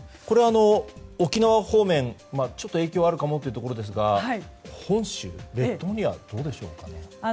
沖縄方面影響あるかもというところですが本州、列島にはどうでしょうか。